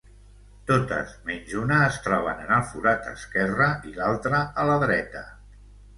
Totes, menys una, es troben en el forat esquerre i l'altra a la dreta.